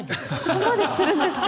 そこまでするんですか？